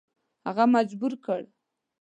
هغه مجبور کړ.